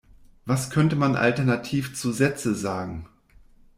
Was könnte man alternativ zu Sätze sagen?